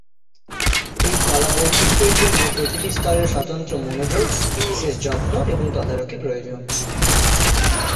এই কলা বৈচিত্র্যের জন্য প্রতিটি স্তরের স্বতন্ত্র মনোযোগ, বিশেষ যত্ন এবং তদারকি প্রয়োজন।